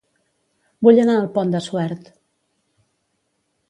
Vull anar a El Pont de Suert